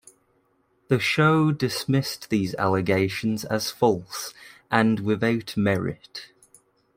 The show dismissed these allegations as false and without merit.